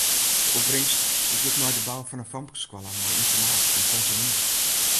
De opbringst giet nei de bou fan in famkesskoalle mei ynternaat yn Tanzania.